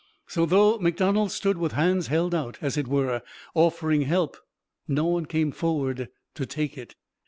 So, though McDonald stood with hands held out, as it were, offering help, no one came forward to take it.